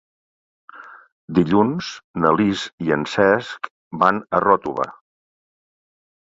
Dilluns na Lis i en Cesc van a Ròtova.